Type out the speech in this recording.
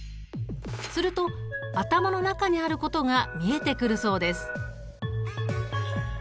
すると頭の中にあることが見えてくるそうです。